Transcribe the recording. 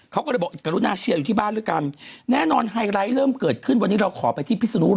เขาก็เลยบอกกรุณาเชียร์อยู่ที่บ้านด้วยกัน